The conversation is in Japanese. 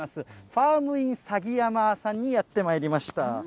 ファーム・インさぎ山さんにやってまいりました。